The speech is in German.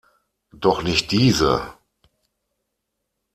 Doch nicht diese!